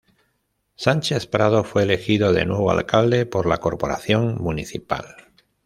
Sánchez-Prado fue elegido de nuevo alcalde por la corporación municipal.